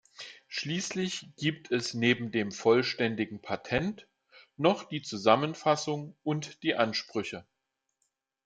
Schließlich gibt es neben dem vollständigen Patent noch die Zusammenfassung und die Ansprüche.